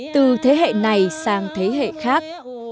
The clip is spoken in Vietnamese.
từ thế hệ này sang đời sau